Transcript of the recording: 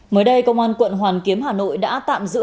mới đây công an quận hoàn kiếm hà nội đã tạm giữ